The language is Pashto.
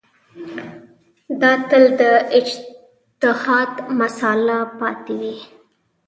دا تل د اجتهاد مسأله پاتې وي.